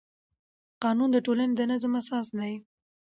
قانون د ټولنې د نظم اساس دی.